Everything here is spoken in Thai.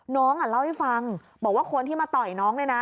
น้องเล่าให้ฟังบอกว่าคนที่มาต่อยน้องเนี่ยนะ